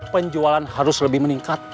penjualan harus lebih meningkat